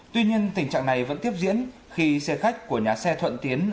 tuy nhiên tình trạng này vẫn tiếp diễn khi xe khách của nhà xe thuận tiến